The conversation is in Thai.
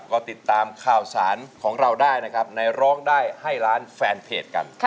ก็ติดตามข่าวสารของเราได้นะครับในร้องได้ให้ล้านแฟนเพจกัน